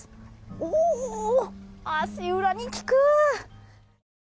おお、足裏に効く！